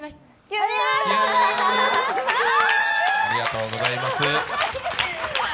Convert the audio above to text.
ありがとうございます、きゃ！